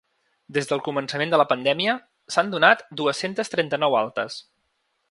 Des del començament de la pandèmia, s’han donat dues-centes trenta-nou altes.